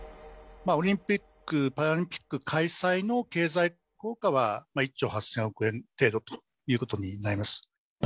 オリンピック・パラリンピック開催の経済効果は、１兆８０００億円程度ということになります。